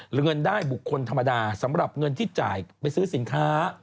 เงินได้บุคคลธรรมดาสำหรับเงินที่จ่ายไปซื้อสินค้า